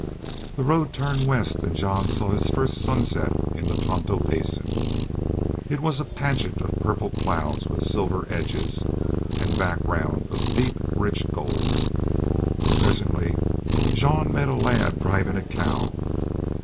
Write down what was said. The road turned west and Jean saw his first sunset in the Tonto Basin. It was a pageant of purple clouds with silver edges, and background of deep rich gold. Presently Jean met a lad driving a cow.